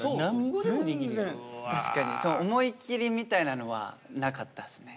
確かに思い切りみたいなのはなかったですね。